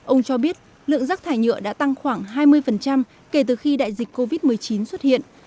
ông cho biết lượng rác thải nhựa đã tăng khoảng hai mươi kể từ khi đại dịch covid một mươi chín xuất hiện